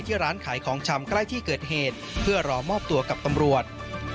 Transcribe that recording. ร้านขายของชำใกล้ที่เกิดเหตุเพื่อรอมอบตัวกับตำรวจ